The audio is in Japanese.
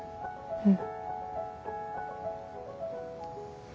うん。